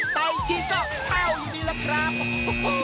ใต้ที่ก็แป้วดีแล้วครับ